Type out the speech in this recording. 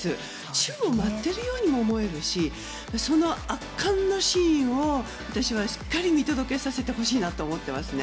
宙を舞ってるようにも思えるし、その圧巻のシーンを私はしっかり見届けさせてほしいなと思っていますね。